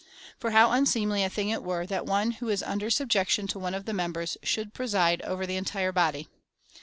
For how unseemly a thing it were, that one who is under subjection to one of the members, should preside^ over the entire body